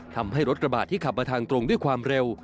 ทำให้รถกระบาดที่ขับมาทางตรงด้วยความเร็ว